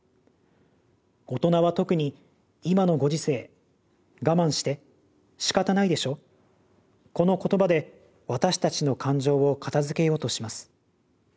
「大人は特に今のご時世『我慢して』『しかたないでしょ』この言葉で私たちの感情を片づけようとします。